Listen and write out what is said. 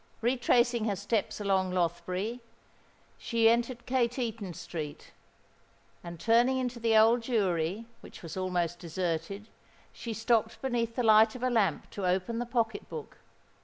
Retracing her steps along Lothbury, she entered Cateaton Street; and turning into the Old Jewry, which was almost deserted, she stopped beneath the light of a lamp to open the pocket book.